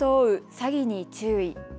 詐欺に注意。